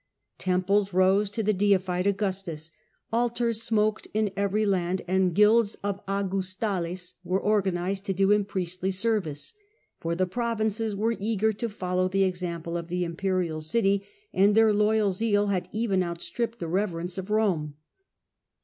Temples rose to the deified Augustus, altars smoked ,. in every land, and guilds of Augustales were Augustales. ., i i i , organized to do him priestly service— for the provinces were eager to follow the example of the im perial city, and their loyal zeal had even outstripped the reverence of Rome.